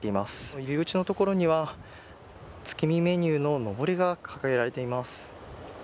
入り口のところには月見メニューののぼりが掲げられています。